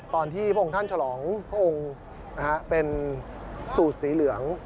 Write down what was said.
พระองค์ท่านฉลองพระองค์เป็นสูตรสีเหลือง